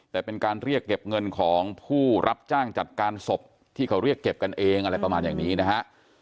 แต่เป็นการเรียกเก็บเงินของผู้รับจ้างจัดการศพที่เขาเรียกเก็บกันเองอะไรประมาณอย่างนี้นะฮะ